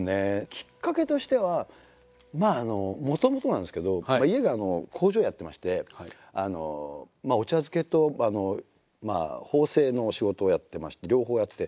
きっかけとしてはまあもともとなんですけど家が工場やってましてお茶漬けと縫製の仕事をやってまして両方やってて。